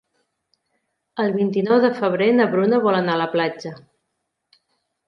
El vint-i-nou de febrer na Bruna vol anar a la platja.